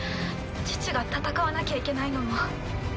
チュチュが戦わなきゃいけないのも。